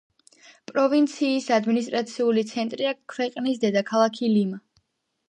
პროვინციის ადმინისტრაციული ცენტრია ქვეყნის დედაქალაქი ლიმა.